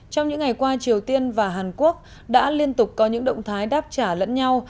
trong những ngày qua triều tiên và hàn quốc đã liên tục có những động thái đáp trả lẫn nhau